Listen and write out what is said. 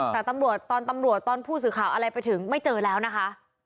แต่ตำรวจตอนตำรวจตอนผู้สื่อข่าวอะไรไปถึงไม่เจอแล้วนะคะ